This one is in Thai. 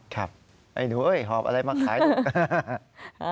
ครับไอ้หนูหอบอะไรมาขายหนู